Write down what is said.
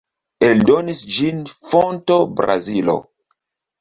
Eldonis ĝin Fonto, Brazilo.